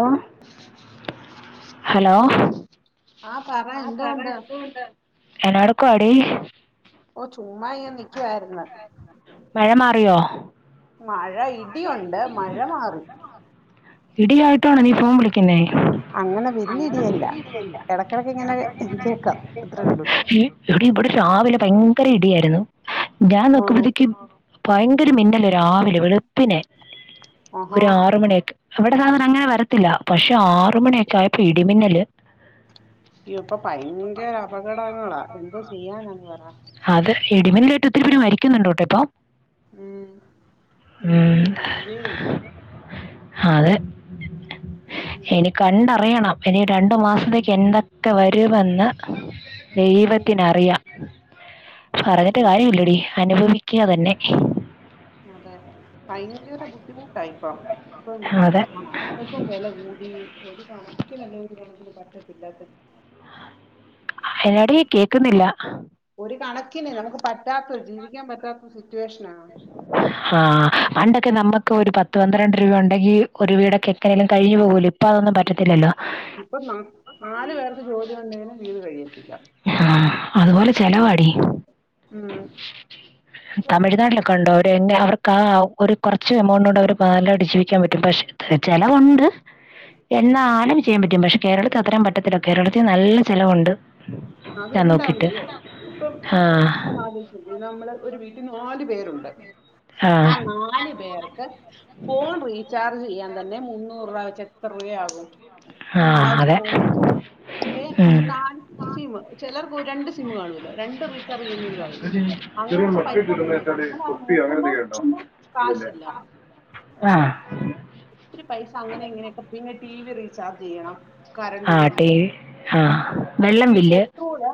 Hello hello ആഹ് പറ എന്തോണ്ട് എന്നാ എടുക്കുവാടി ഓഹ് ചുമ്മാ ഇങ്ങനെ നിക്കുവായിരുന്ന് മഴ മാറിയോ? മഴ ഇടിയൊണ്ട് മഴ മാറി. ഇടി ആയിട്ടോണോ നീ ഫോൺ വിളിക്കുന്നേ വല്യ അങ്ങനെ വലിയ ഇടിയല്ല ഇടിയല്ല ഇടക്കിടക്ക് ഇല്ല ഇങ്ങനെ എടയ്ക്കിടയ്ക്ക് ഇങ്ങനെ കേക്കാം ഇടിയുടെ അത്രേ ഉള്ളൂ സൗണ്ട് എടി ഇവിടെ രാവിലെ ഭയങ്കര ഇടിയായിരുന്നു ഞാൻ ആണോ നോക്കുമ്പത്തേക്കും ഭയങ്കര മിന്നല് രാവിലെ വെളുപ്പിനെ ആഹാ ഒരു ആറ് മണിക്കെ ഇവിടെ സാധനരണ അങ്ങനെ വരത്തില്ല പക്ഷേ ആറു മണിയൊക്കെ ആയപ്പോ ഇടിമിന്നല് ഇപ്പോ ഭയങ്കര അപകടങ്ങളാ എന്തോ ചെയ്യാനാന്ന് പറ അത് ഇടിമിന്നാല് ഏറ്റ് ഒത്തിരി പേര് മരിക്കുന്നുണ്ടോട്ടെ ഇപ്പോ ഉം ഉം ഇടിയും മഴയും അതെ മൂൺ ഇനി കണ്ടറിയണം ഇനി രണ്ടു മാസത്തേക്ക് എന്തൊക്കെ വരുവെന്ന് ഉം ദൈവത്തിന് അറിയാം, പറഞ്ഞിട്ട് അതെ കാര്യമില്ലാടി അനുഭവിക്കുക തന്നെ. അതെ ഭയങ്കര ബുദ്ധിമുട്ടായിപ്പം. ഇപ്പം അതെ സാധനങ്ങൾക്കും വില കൂടി ഒരുപണം- നല്ലണ പറ്റത്തില്ലാ. [unintelligible] ഹാടി കേൾക്കുന്നില്ല. ഒരു കണക്കിന് നമുക്ക് പറ്റാത്ത- ജീവിക്കാൻ പറ്റാത്ത സിറ്റുവേഷനാ. ആഹാ [unintelligible] ആഹ് പണ്ടൊക്കെ നമ്മുക്ക് ഒരു പത്ത്, പന്ത്രണ്ട് രൂപ ഉണ്ടെങ്കിൽ ഒരു വീടൊക്കെ എങ്ങനേങ്കിലും- കഴിഞ്ഞു പോകൂലേ. ഇപ്പോ അതൊന്നും പറ്റത്തില്ലല്ലോ. ഇപ്പോ ന നാല് പേർക്ക്- ജോലിഉണ്ടെങ്കിലും വീട് കഴിയത്തില്ല. ഹാ അതുപോലെ ചെലവാടി ഉം ഇപ്പം തമിഴ്നാട്ടിലോ? കണ്ടു അവരെന്നെ അവർക്ക് ആ ഒരു കുറച്ച് എമൗണ്ട് കൊണ്ട് അവർ പാലടിച്ചു വിക്കാൻ പറ്റും, പക്ഷെ ചിലവുണ്ട്. എന്നാലും ചെയ്യാൻ പറ്റും, പക്ഷെ കേരളത്തിലത്രയും പറ്റത്തില്ല. കേരളത്തിന് നല്ല ചെലവുണ്ട്. അതെന്താണന്നറിയോ? ഇപ്പം- ആ ഇത് നമ്മള് ഒരു വീട്ടിൽ നാലു- പേരുണ്ട് ആ നാല് പേർക്ക്- ഫോൺ റീചാർജ് ചെയ്യാൻ തന്നെ- മുന്നൂറ് രൂപ വെച്ച് എത്ര രൂപയാകും. ആ അതെ ആയിരത്തിഇരുന്നൂറ് രൂപായി. ഉം. സിം ചിലർക്ക് ഒരു രണ്ട് സിം കാണല്ലോ രണ്ട് റീചാർജ്- ചെയ്യുന്നവര് കാണല്ലോ. അങ്ങനെയൊക്കെ പൈസപോവും. നമ്മളാ നോക്കുമ്പോ കാശില്ല. ആ പക്ഷെ, ഒത്തിരി പൈസ അങ്ങനെ, ഇങ്ങനെയൊക്കെ പിന്നെ ടി. വി റീചാർജ് ചെയ്യണം. കറണ്ട് ആ ബില്ല് ടി. വി ആ വെള്ളം ഈ ബില്ല് പെട്രോള്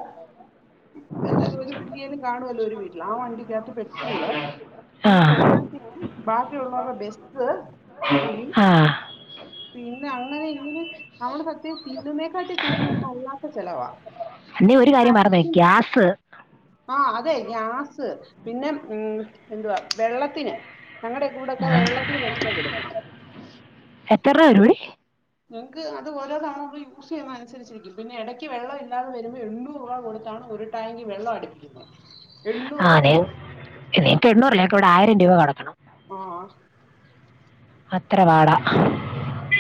എന്തായാലും ഒരു വണ്ടിയേലും കാണുവല്ലോ, ഒരു വീട്ടില് ആ വണ്ടി- പെട്രോള് ആ പിന്നെ പോരാ- ബാക്കിയുള്ളോറേ ബെസ്സ് കൂലി, ആ പിന്നെ അങ്ങനെ ഇങ്ങനെയാണ്, സത്യം. തിന്നുന്നേക്കാട്ടി കൂടുതല് അല്ലാത്ത ചെലവാ. നീ ഒരു കാര്യം മറന്നോയി ഗ്യാസ്. ആഹാ അതെ ഗ്യാസ് പിന്നെ, എന്തുവാ വെള്ളത്തിന് ഞങ്ങളടെ- ആ. ഇവിടൊക്കെ വെള്ളത്തിന് പൈസ കൊടുക്കണം. എത്രരൂവരുടി? ഞങ്ങക്ക് അതോരോതവണ നമ്മൾ യൂസ് ചെയ്യുന്നതനുസരിച്ചിരിക്കും പിന്നെ ഇടയ്ക്ക് വെള്ളം ഇല്ലാതെ- വരുമ്പോ എണ്ണൂറൂപ കൊടുത്താണ് ഒരു- ടാങ്കി വെള്ളം അടിപ്പിക്കുന്നേ. ആന്നേ ഇങ്ങക്കെണ്ണൂറല്ലേ? ഞങ്ങക്ക് ഇവിടെ ആയിരം രൂപ കൊടുക്കണം. ആഹാ അത്രവാട.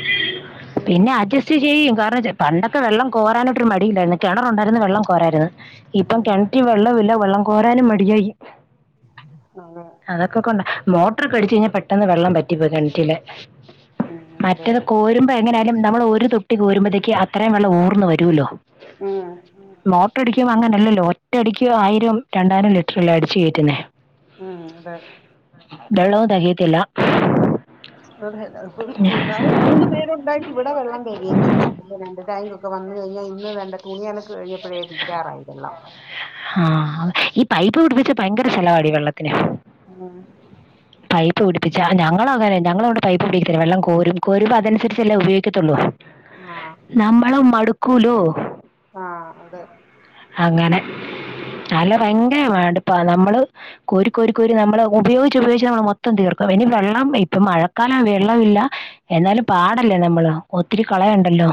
മ്മ്... ചെയ്യും കാരണം പണ്ടൊക്കെ വെള്ളം കോരാനായിട്ടൊരു മടിയില്ലായിരുന്നു. കിണറുണ്ടായിരുന്ന്നേ വെള്ളം കോരായിരുന്നു. ഇപ്പം ഉം കെൺറ്റിൽ വെള്ളോമില്ല. വെള്ളം കോരാനും മടിയായി. അതെ. അതൊക്കെക്കൊണ്ടാ, മോട്രെക്കെടിച്ച് കഴിഞ്ഞാ പെട്ടന്ന് വെള്ളം വറ്റിപ്പോവും കെണറ്റിലെ. ഉം അതെ. കോരുമ്പോ എങ്ങനൊയാലും നമ്മൾ ഒരു തൊട്ടി- കോരുമ്പത്തേക്ക് അത്രയും വെള്ളം ഊർന്നു വരുല്ലോ? ആഹാ. മോട്ടർ അടിക്ക്മ്പോ- അങ്ങനെയല്ലല്ലോ ഒറ്റയടിക്ക് ആയിരം രണ്ടായിരം ലിറ്റർല്ലേ അടച്ച് കേറ്റുന്നേ. ഉം അതെ. വെള്ളോതകയത്തില്ല. അതെ അതെ, ഇപ്പം മൂന്നാല് മൂന്ന്- പേരുണ്ടായിട്ട് ഇവിടെ വെള്ളം തെകയുന്നില്ല. ഇപ്പോ രണ്ട് ടാങ്കി ഒക്കെ വാ- വന്നു കഴിഞ്ഞാൽ ഇന്ന് വേണ്ട. തുണിയലക്ക് കഴിഞ്ഞപ്പോഴേ തീരാറായി വെള്ളം. ആഹു ഈ പൈപ്പ് വിടിപ്പിച്ച ഭയങ്കര ചെലവാടി വെള്ളത്തിന്. ആഹാ... പൈപ്പ് പിടിച്ച ഞങ്ങളങ്ങനാ ഞങ്ങളയിന് പൈപ്പ് പിടിക്കത്തില്ല വെള്ളം കോരും കോരുമ്പോഅതനുസരിച്ചല്ലേ ഉപയോഗിക്കത്തുള്ളൂ ആഹ വെള്ളം മടുക്കൂലോ ആഹ് അതെ അങ്ങനെ നല്ല ഭയങ്കപാട് ഇപ്പ നമ്മള് കോരി കോരി നമ്മള് ഉപയോഗിച്ചുപയോഗി നമ്മൾ മൊത്തം തീർക്കും ഇനി വെള്ളം ഇപ്പൊ മഴക്കാല വെള്ളമില്ല എന്നാലും പാടല്ലേ നമ്മൾ ഒത്തിരി കളയണ്ടല്ലോ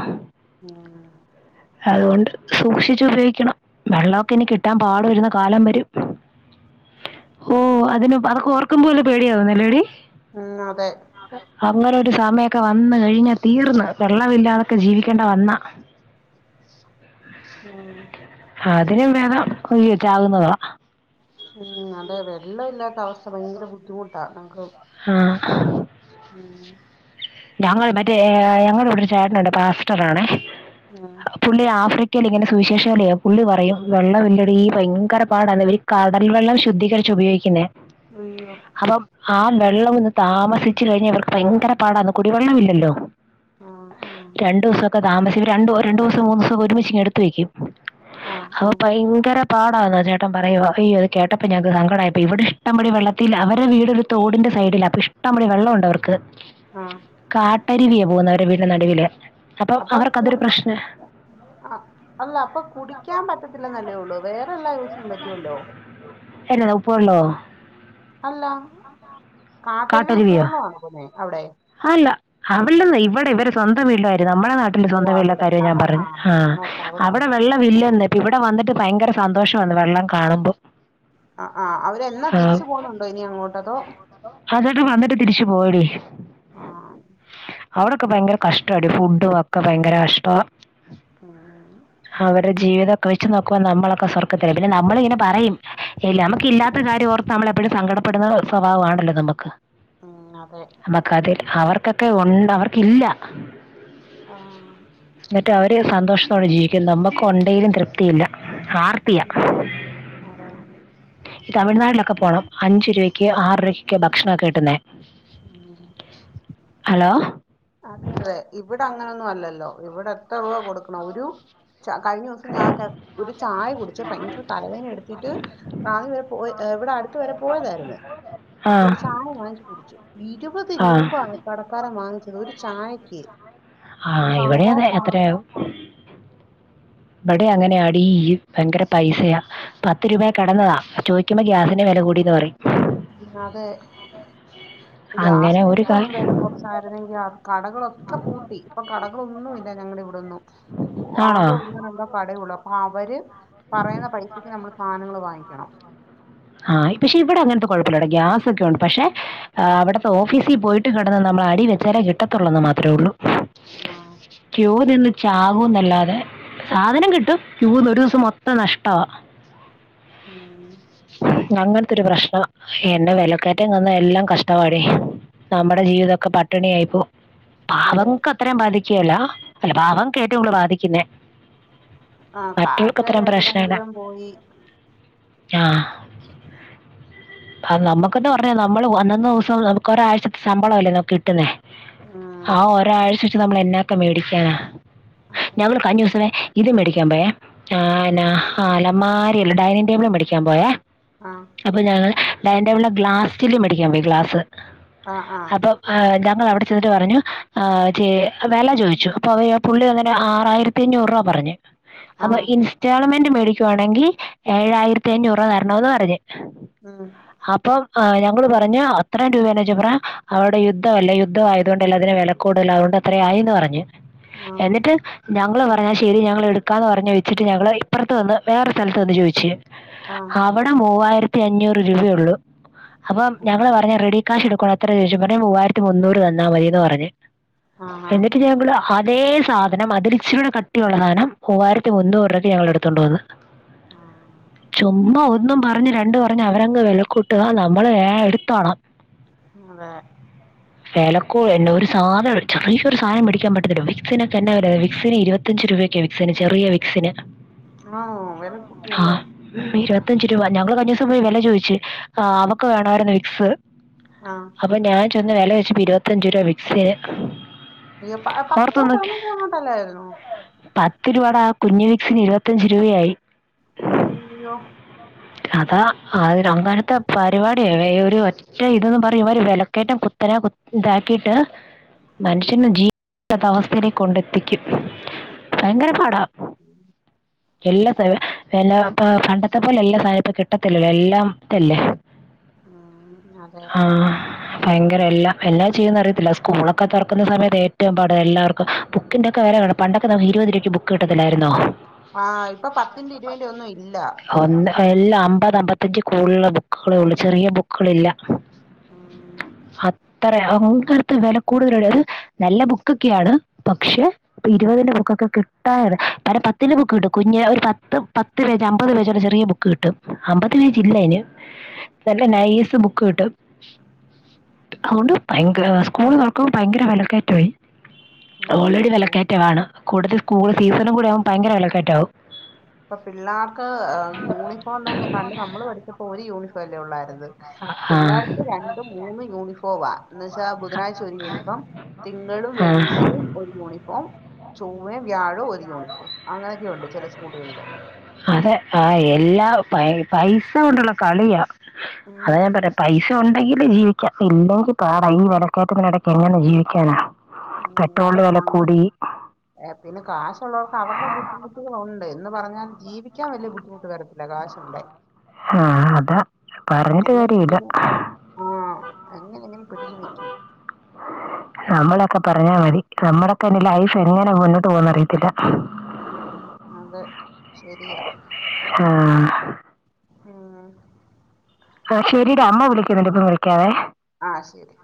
മ്മ്ഹ് അതുകൊണ്ട് സൂക്ഷിച്ച് ഉപയോഗിക്കണം വെള്ളാക്കെ ഇനി കിട്ടാൻ പാടു വരുന്ന കാലം വരും ഓ അതിന് അതൊക്കെ ഓർക്കുമ്പോപേടിയാവുന്നല്ലേടി ഉം അതെ അങ്ങനെഒരുസമയൊക്കെവന്ന് കഴിഞ്ഞതീർന്ന് വെള്ളമില്ലാതൊക്കെ ജീവിക്കേണ്ടിവന്നാ ഉം ആ അതിലും ഭേദം കൊല് ച്ചാകുന്നതാ ഉം അതെ വെള്ളം ഇല്ലാത്ത അവസ്ഥ ഭയങ്കരബുദ്ധിമുട്ടാ നമക്ക് ആഹ് ഉം ഞങ്ങൾ മറ്റേ ഞങ്ങളുടെവിടെ ഒരു ചേട്ടനുണ്ട് പാസ്റ്റർആണേ ആഹ [unintelligible] പുള്ളി ആഫ്രിക്കയിൽ ഇങ്ങനെ സുവിശേഷെപുള്ളിപറയും വെള്ളമില്ലടി ഭയങ്കരപാടാണ് കടൽ വെള്ളം ശുദ്ധീകരിച്ചു ഉപയോഗിക്കുന്നേ അയ്യൊ അപ്പോംആവെള്ളംഒന്ന്താമസിച്ചു കഴിഞ്ഞ ഇവർക്ക് ഭയങ്കരപാടാന്ന് കുടിവെള്ള ഇല്ലല്ലോ ആഹ് ആഹ് രണ്ടു ദിവസൊക്കെ താമസ ര രണ്ടു ദിവസം മൂന്ന് ദിവസം ഒരുമിച്ച് ഇങ്ങ എടുത്ത് വയ്കും ആഹ് അപ്പോ ആഹ് ഭയ്ങ്കര പാടാണ്ചേട്ടൻ പറയുവഹയ് അത് കേട്ടപ്പൊ ഞങ്ങക്ക്സങ്കഡായപ്പാ ഇവടെ ഇഷ്ടംപോലെ വെള്ളത്തിൽ അവരെ വീട് തോടിന്റെ സൈഡിലഅപ്പൊ ഇഷ്ടം പോലെ വെള്ളോണ്ട്അവർക്ക് ആഹ് കാട്ടരിവിയെ പോകുന്നഅവരു വീടിന് നടുവില് അപ്പൊ അപ്പൊഅവർക്ക്അതൊരു കുടി പ്രശ്ന ആ അല്ലഅപ്പൊകുടിക്യാൻ പറ്റത്തില്ലെന്നല്ലേള്ളൂ വേറെല്ല എന്നല്ലാ ഉപ്പ് വെള്ളമോ അല്ല കാട്ടരുവി ഉപ്പുവള്ളാണോ അവിടെ ആല്ല അവിടെനെയ്‌വടെ ഇവരെ സ്വന്തം വീട്ടിലെ കാര്യം നമ്മടെനാ ഓ സ്വന്തം വീട്ടിലെ അവിടെ ആ കാര്യഞാൻപറഞ് ആ ഞാനോർത്ത് അവിടെ ആണ്. അവിടെവെള്ള വില്ലന്ന് ഇപ്പ ഇവടെവന്നിട്ട്ഭയങ്കര സന്തോഷാണ് വെള്ളംകാണുമ്പോ ആഹ് ആഹ് അവര് എന്നാ തിരിച്ചു പോന്നുണ്ടോഇനിഅങ്ങോട്ടതോ അതട്ട് വന്നിട്ട്തിരിച്ച്പോയടി ആഹ് അവിടൊക്കെ ഭയങ്കര കഷ്ട്ടാടി ഫുഡും ഒക്കെഭയങ്കരകഷ്ടുവാ മ്മ് [inaudible] അവരുടെ ജീവിതം വെച്ച് നോക്കുമ്പോ നമ്മളൊക്കെ സ്വർഗത്തില പിന്നെ നമ്മളിങ്ങനെ പറയുംനമക്ക്‌ഇല്ലാത്തകാര്യംഓർ നമ്മളെഎപ്പഴും സങ്കടപ്പെടുന്ന സ്വഭാവമാണല്ലോ നമക്ക് ഉം അതെ കതിൽ അവർക്കൊക്കെഉണ്ട് അവർക്കില്ല ആഹ് എന്നിട്ട് അവര്സന്തോഷത്തോടെ ജീവിക്കുന്നു നമക്ക് ഉണ്ടെലും തൃപ്തിയില്ല ആർ ത്തിയ ഉം, അതെ ഈ തമിഴ്നാട്ടിലൊക്കെ പോണം അഞ്ച് രൂവക്ക്ആറ് രൂപയ്ക്ക്‌ ഭക്ഷണൊക്കെകിട്ടുന്നേ ആഹ അലോ? അതെഇവടെ അങ്ങനൊന്നും അല്ലല്ലോ ഇവടെഎത്രരൂപകൊടുക്കണം ഒരു ച കഴിഞ്ഞുസംഞാൻ ഒരു ചായ കുടിച്ചുഭയങ്കരതലവേനഎടുത്തിട്ട് [unintelligible] വരെ പോ ഇവടെ അടുത്ത് വരെ പോയതെര്ന് ആ അപ്പൊ ഒരു ചായ വാങ്ങിച്ച് കുടിച്ചു. ഇരുവത് ആ രൂപകടക്കാരൻവാങ്ങിച്ചത് ഒരു ചായക്ക്. ആ ഇവിടെ സാധാ അതെ ചായക്ക് ഇപടെ അങ്ങനെആടിഈ ഭയങ്കരപൈസയാപത്ത് രൂപേകെടന്നതാ ചോയിക്കുമ്പോ ഗ്യാസിന് വെല കൂടിന്പറയും. അതെ അങ്ങനെ ഒരു ഗ്യാസിനെങ്കിലും ഒന്ന് കാര്യം വില കുറച്ചു രണെങ്കിൽ കടകളൊക്കെ പൂട്ടി ഇപ്പൊ കടകളൊന്നും ഇല്ല ഞങ്ങളുടെ ഇവിടൊന്നും. ആണോ ആകെ ഒന്നോ രണ്ടോ കട ഉള്ളൂ. അപ്പൊ അവര് പറയുന്ന പൈസക്ക് നമ്മള് സാധനങ്ങള് വാങ്ങിക്കണം ആഹ് പക്ഷെ ഇവിടെ അങ്ങനത്തെ കുഴപ്പമില്ല ഗ്യാസൊക്കെ ഉണ്ട് പക്ഷെ- ആ അവിടുത്തെ ഓഫീസിൽ പോയിട്ട് കിടന്ന് നമ്മൾ അടി വെച്ചാലേ കിട്ടത്തുള്ളൂന്ന് മാത്രേ ഉള്ളൂ. ആഹ് ക്യൂ നിന്ന് ചാകും എന്നല്ലാതെ സാധനം കിട്ടും ക്യൂന്ന് ഒരു ദിവസം മൊത്തം നഷ്ടമാ. ആഹ് അങ്ങനത്തെൊരു പ്രശ്നം എന്ന വിലക്കറ്റംവന്നാ എല്ലാം കഷ്ടമാടി. നമ്മുടെ ഉം ജീവിതൊക്കെ പട്ടിണി ആയിപ്പോകും. അതെ പാവങ്ങൾക്ക് അത്രയും ബാധിക്കെല്ല അല്ല പാവങ്ങൾക്ക് ഏറ്റവും കൂടുതൽ ബാധിക്കുന്നേ. ആ മറ്റുള്ളവർക്ക് കാഷ്കാർ അത്രയും എവിടെയെങ്കിലും പോയി ആഹ് [inaudible] അ നമുക്കന്നാ പറഞ്ഞ നമ്മള് അന്നൊന്ന് ദിവസം നമുക്ക് ഒരാഴ്ചത്തെ ശമ്പള അല്ലേ നമുക്ക് കിട്ടുന്നേ? ഉം ആ ഒരാഴ്ച വെച്ച് നമ്മൾ എന്നൊക്കെ മേടിക്കാനാ അതെ ഞങ്ങള് കഴിഞ്ഞ ദിവസമേ- ഇത് മേടിക്കാൻ പോയേ പിന്നാ ആ അലമാരയല്ല ഡൈനിങ് ടേബിൾ മേടിക്കാൻ പോയേ? ആഹ് അപ്പോൾ ഞങ്ങൾ ഡയനിംഗ് ടേബിളെ ഗ്ലാസ്റ്റില മേടിക്കാൻ പോയി ഗ്ലാസ്സ് ആ ആ അപ്പോൾ ഹ് ഞങ്ങൾ അവിടെ ചെന്നിട്ട് പറഞ്ഞു വില ചോദിച്ചു അപ്പൊ അവ പുള്ളി അന്നനെ ആറായിരത്തി- അഞ്ഞൂറ് രൂപ പറഞ്ഞു ആ അപ്പൊ ഇൻസ്റ്റാൾമെന്റ് മേടിക്കുവാണെങ്കിൽ ഏഴായിരത്തി അഞ്ഞൂറ് രൂപ തരാ- തരാന്ന് പറഞ്ഞ് ഉം അപ്പം ഞങ്ങള് പറഞ് അത്രം രൂപേന്ന് വെച്ച പറ അവരുടെ യുദ്ധമല്ലെ യുദ്ധം ആയത് കൊണ്ട്ല്ലെ അതിനെ വില- കൂടുതൽ അതുകൊണ്ട് അത്ര ആയിന്ന് പറഞ്ഞു ആ എന്നിട്ട് ഞങ്ങള് പറഞ്ഞാ ശരി ഞങ്ങള് എടുക്കാന്ന് പറഞ് വെച്ചിട്ട് ഞങ്ങള് ഇപ്പറത്ത് വന്ന് വേറെരു സ്ഥലത്ത് വന്ന് ചോദിച്ചു. ആഹ് അവിടെ മൂവായിരത്തി അഞ്ഞൂറ് രൂപയുള്ളൂ അപ്പം ആ ഞങ്ങള് പറഞ്ഞു റെഡി ക്കാശ് എടുക്കണം എത്ര ചോദിച്ചു ന്നിട്ട് മൂവായിരത്തി മുന്നൂറ് തന്നാൽ മതിയന്ന് പറഞ്ഞ് ആ ആ എന്നിട്ട് ഞങ്ങൾ- അതേ സാധനം അതിരിച്ചിലൂടെ കട്ടിയുള്ള സധാനം മൂവായിരത്തി മുന്നൂറ് രൂപ ക്ക്‌ ഞങ്ങള് എടുത്തൊണ്ട് വന്ന്. ആഹ് ചുമ്മ ഒന്നും പറഞ്ഞ് രണ്ട് പറഞ്ഞ് അവരങ്ങ്- വിലക്കൂട്ട് ക നമ്മള് വേഗം എടുത്തോണം അതെ വെലക്കോ എന്ന ഒരു സാധന ചെറിയ ഒരു സാധനം മേടിക്കാൻ പറ്റത്തില്ല വിക്സിനൊക്കെ എന്താ വിക്സിന് ഇരുപത്തി ഇരുപത്തഞ്ച് രൂപയ്ക്ക് വിക്സിന് ചെറിയ വിക്സിന്. ആഹ് വില കൂട്ടിയ അല്ലേ? ഇരുപത്തഞ്ച് രൂപ ഞങ്ങള് കഴിഞ്ഞ ദിവസം പോയി വില ചോദച്ച് അവക്ക് വേണമായിരുന്നു വിക്സ്. ആഹ് അപ്പൊ ഞാൻ ചെന്ന് വില ചോദിച്ചപ്പ ഇരുപത്തഞ്ചു രൂപ വിക്സിന്. ഇ പ പത്തോ ഓർത്തു പതിനഞ്ചു എങ്ങാണ്ട്ല്ലായിരുന്നു ഒത്തിരുപട കുഞ്ഞു വിക്സിന് ഇരുപത്തഞ്ച് രൂപയായി. അയ്യോ അതാ അ അങ്ങനത്തെ പരിപാടിയ വേ ഒരു പക്ഷേ ഇതന്ന് പറയും ഇവര് വിലക്കേറ്റം കുത്തനെ ഇതാക്കിയിട്ട് ഉം മനുഷ്യുന് ജീ അവസ്ഥയിലേക്ക് കൊണ്ടെത്തിക്കും ഭയങ്കര പാടാ- [inaudible] എല്ലാ [unintelligible] ഇപ്പ പണ്ടത്തെ പോലെ എല്ലാ സാധനം ഇപ്പ കിട്ടത്തില്ലല്ലോ എല്ലാത്തല്ലേ ഉം അതെ ആഹ് ഭയങ്കര എല്ലാം എല്ലാം ചെയ്യന്ന് അറിയത്തില്ല സ്കൂളൊക്കെ തുറക്കുന്ന സമയത്ത് ഏറ്റവും പാട് എല്ലാവർക്കും ബുക്കിന്റെ ഒക്കെ വെല കാണണം പണ്ടൊക്കെ ഒരു ഇരുപത് രൂപക്ക് ബുക്ക് കിട്ടത്തില്ലായിരുന്നോ? ആഹ് ഇപ്പൊ പത്തിന്റെ ഇരുപതിന്റെ ഒന്നും ഇല്ല. ഒ എല്ലാം അമ്പത് അമ്പത്തഞ്ച് കൂടുള്ള ബുക്കുകളേ ഉള്ളു ചെറിയ ബുക്കുകളില്ല. ഉം ആഹ് ഇക്കാലത്തെ വില കൂടുതലള്ളത് നല്ല ബുക്കൊക്കെയാണ് പക്ഷെ. ഇപ്പൊ ഇരുപതിന്റെ ബുക്കൊക്കെ കിട്ടാല്ല പല പത്തിന്റെ ബുക്ക് കിട്ടും കുഞ്ഞേ ഒരു പത്ത് പത്ത്. അമ്പത് പേജോ ചെറിയ ബുക്ക് കിട്ടും അമ്പത് പേജില്ല അയിന്. നല്ല നൈസ് ബുക്ക് കിട്ടും. അതുകൊണ്ട് ഭയങ്കര സ്കൂള് തുറക്കുമ്പോ ഭയങ്കര വിലക്കയറ്റമായി. ഉം ഓൾറെഡി സ്കൂ വിലക്കയറ്റാണ് കൂടുതൽ സ്കൂൾ സീസണും കൂടെ ആകുമ്പോൾ ഭയങ്കര വിലക്കയറ്റമാവും. ഇപ്പ പിള്ളേർക്ക് യൂണിഫോം തന്നെ പണ്ട് നമ്മള് പഠിച്ച. ഒരു യൂണിഫോമല്ലേ ഉള്ളായിരുന് ആ പിള്ളേർക്ക് രണ്ടും മൂന്നും യൂണിഫോം. പോവാ എന്നുവച്ച ബുധനാഴ്ച ഒരു യൂണിഫോം തിങ്കളും ആ വെള്ളി. ഒരു യൂണിഫോം ചൊവ്വ വ്യാഴവും ഒരു യൂണിഫോം അങ്ങനെയൊക്കെയ്ണ്ട് ചില സ്കൂളുകളില്. അതെ ആ എല്ലാ പൈസ കൊണ്ടുള്ള കളിയാ അതൊ ഉം ഞാൻ. പൈസ ഉണ്ടെങ്കില് ജീവിക്കാം ഇല്ലെങ്കിൽ പാട ഈ വിലക്കയറ്റത്തിനിടയ്ക്ക് എങ്ങനെ ജീവിക്കാനാ. പെട്രോളിന് വില കൂടി. ഏ പിന്നെ കാശുള്ളവർക്ക് അവരുടെ ബുദ്ധിമുട്ടുകളൾ ഉണ്ട്. എന്ന് പറഞ്ഞാൽ ജീവിക്കാൻ വലിയ ബുദ്ധിമുട്ട് വരത്തില്ല കാശുണ്ടേ. ആഹ് അതാ പറഞ്ഞിട്ട് കാര്യല്ല. ആ അങ്ങനെങ്ങനെ പെടിച് നിക്കും. നമ്മളൊക്കെ പറഞ്ഞാൽ മതി നമ്മടെക്കെ ഇനി ലൈഫ് എങ്ങനെ മുന്നോട്ട് പോകുന്നറിയോ. ത്തില്ല. ഉം അതൊ ശരിയാ. ആ ഉം ആ ശരിടാ അമ്മ വിളിക്കുന്നുണ്ട് ഇപ്പം വിളിക്കാവേ. ആ ശരി.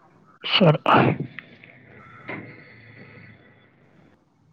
ശരി.